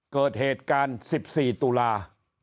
เกิดเหตุการณ์๑๔ตุลา